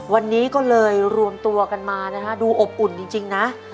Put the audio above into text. วันนี้ก็เลยรวมตัวกันมานะฮะดูอบอุ่นจริงนะ